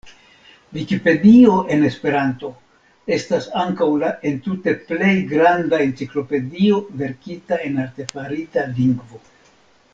Vikipedio en Esperanto estas ankaŭ la entute plej granda enciklopedio verkita en artefarita lingvo.